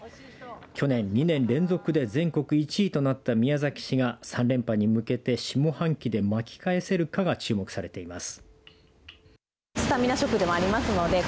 去年２年連続で全国１位となった宮崎市が３連覇に向けて下半期で巻き返せるかが注目されています。